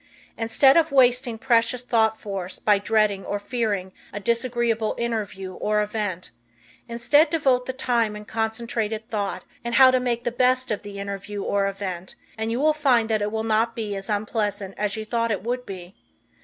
Instead of wasting precious thought force by dreading or fearing a disagreeable interview or event, instead devote the time and concentrated thought in how to make the best of the interview or event and you will find that it will not be as unpleasant as you thought it would be.